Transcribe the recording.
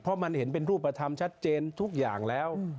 เพราะมันเห็นเป็นรูปธรรมชัดเจนทุกอย่างแล้ว